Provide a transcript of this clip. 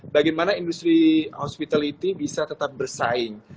bagaimana industri hospitality bisa tetap bersaing